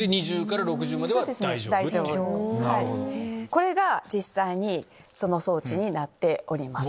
これが実際にその装置になっております。